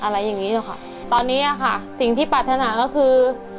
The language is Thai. อะไรอย่างงี้หรอกค่ะตอนนี้อ่ะค่ะสิ่งที่ปรารถนาก็คือ